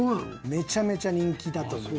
めちゃめちゃ人気だと思います。